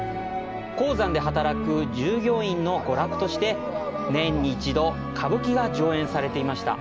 鉱山で働く従業員の娯楽として、年に一度、歌舞伎が上演されていました。